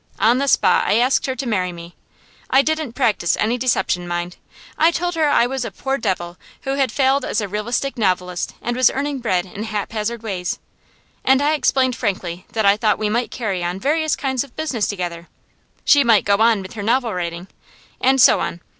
On the spot I asked her to marry me. I didn't practise any deception, mind. I told her I was a poor devil who had failed as a realistic novelist and was earning bread in haphazard ways; and I explained frankly that I thought we might carry on various kinds of business together: she might go on with her novel writing, and so on.